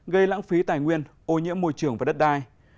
gây lãng phí tài nguyên ô nhiễm môi trường và đất đai